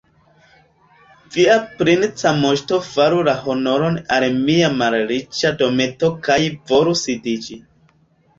Via princa moŝto faru la honoron al mia malriĉa dometo kaj volu sidiĝi.